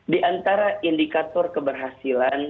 di antara indikator keberhasilan